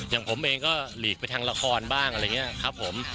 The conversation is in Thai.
อย่างผมเองก็หลีกไปทางละครบ้างอะไรอย่างนี้ครับผม